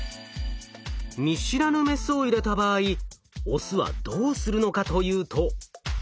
見知らぬメスを入れた場合オスはどうするのかというと。